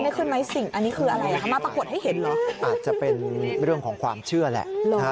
ขึ้นไหมสิ่งอันนี้คืออะไรอ่ะคะมาปรากฏให้เห็นเหรออาจจะเป็นเรื่องของความเชื่อแหละ